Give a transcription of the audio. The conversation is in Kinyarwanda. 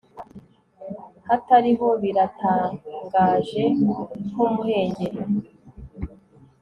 Hatariho Biratangaje nkumuhengeri